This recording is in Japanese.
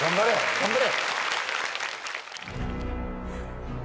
頑張れ。